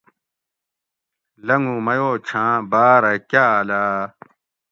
لنگو میو چھاۤں باۤرہ کاۤلہ